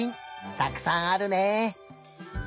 たくさんあるね。